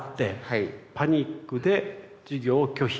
パニックで授業を拒否。